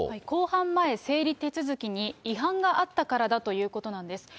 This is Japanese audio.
公判前整理手続きに違反があったからだということなんです。